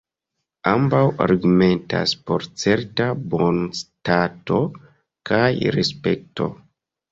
Ambaŭ argumentas por certa bonstato kaj respekto.